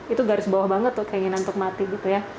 itu garis bawah banget tuh keinginan untuk mati gitu ya